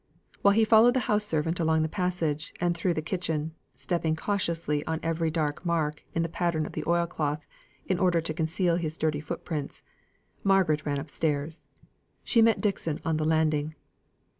While he followed the house servant along the passage, and through the kitchen, stepping cautiously on every dark mark in the pattern of the oil cloth, in order to conceal his dirty foot prints, Margaret ran upstairs. She met Dixon on the landing.